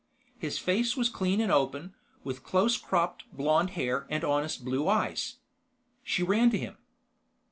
His face was clean and open, with close cropped blond hair and honest blue eyes. She ran to him.